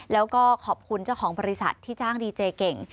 แล้วก็ขอบคุณเจ้าของบริษัทที่จ้างดีเจเก่ง